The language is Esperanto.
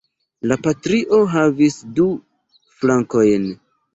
La partio havis du flankojn.